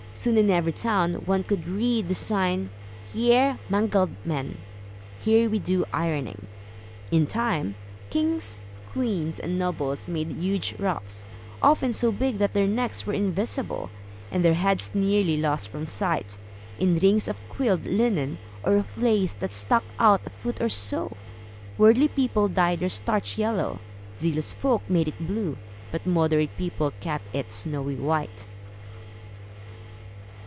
Soon, in every town, one could read the sign "Hier mangled men" (Here we do ironing). In time, kings, queens and nobles made huge ruffs, often so big that their necks were invisible, and their heads nearly lost from sight, in rings of quilled linen, or of lace, that stuck out a foot or so. Worldly people dyed their starch yellow; zealous folk made it blue; but moderate people kept it snowy white.